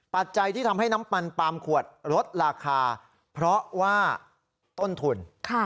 ปัจจัยที่ทำให้น้ำมันปาล์มขวดลดราคาเพราะว่าต้นทุน